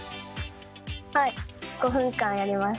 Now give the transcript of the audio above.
はい５分間やりました。